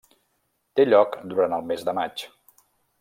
Té lloc durant el mes de maig.